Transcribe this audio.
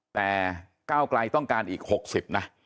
แต่ก้าวไกลต้องการอีก๖๐นะ